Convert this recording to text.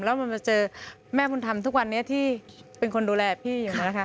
แล้วมาเจอแม่บุญธรรมทุกวันนี้ที่เป็นคนดูแลพี่อย่างนั้นแหละค่ะ